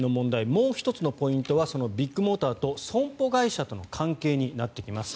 もう１つのポイントはビッグモーターと損保会社との関係になってきます。